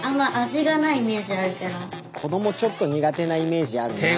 子供ちょっと苦手なイメージあるよな。